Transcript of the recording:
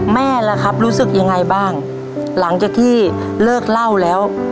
แม่ล่ะครับรู้สึกยังไงบ้างหลังจากที่เลิกเล่าแล้ว